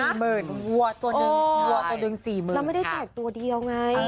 ๔หมื่นมันวัวตัวหนึ่งสี่หมื่นเราไม่ได้แจกตัวเดียวไง